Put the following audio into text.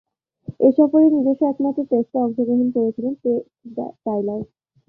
এ সফরেই নিজস্ব একমাত্র টেস্টে অংশগ্রহণ করেছিলেন টেড টাইলার।